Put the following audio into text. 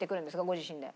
ご自身で。